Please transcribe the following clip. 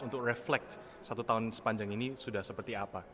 untuk refleks satu tahun sepanjang ini sudah seperti apa